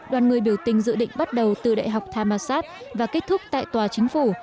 đoàn người biểu tình dự định bắt đầu từ đại học thammasat và kết thúc tại tòa chính phủ